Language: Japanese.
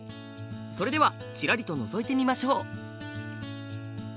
それではちらりとのぞいてみましょう。